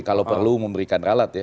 kalau perlu memberikan ralat ya